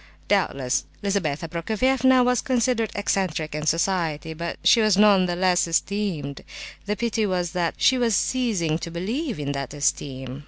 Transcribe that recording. Doubtless Lizabetha Prokofievna was considered "eccentric" in society, but she was none the less esteemed: the pity was that she was ceasing to believe in that esteem.